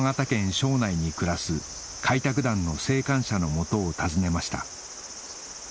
庄内に暮らす開拓団の生還者の元を訪ねました